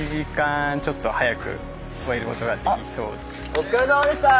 お疲れさまでした！